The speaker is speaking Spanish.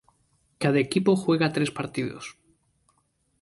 Cada equipos juega tres partidos.